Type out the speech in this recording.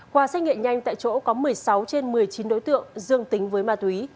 qua xét nghiệm nhanh tại chỗ có một mươi sáu trên một mươi chín đối tượng dương tính với ma túy